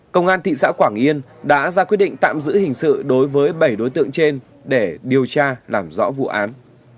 công an thị xã quảng yên đã ra quyết định tạm giữ hình sự đối với bảy đối tượng trên để điều tra làm rõ vụ án